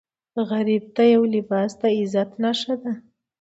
غریب ته یو لباس د عزت نښه ده